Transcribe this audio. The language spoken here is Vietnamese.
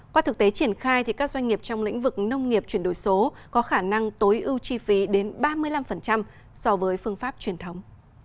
qua thực tế triển khai các doanh nghiệp trong lĩnh vực nông nghiệp chuyển đổi số có khả năng tối ưu chi phí đến ba mươi năm so với phương pháp truyền thống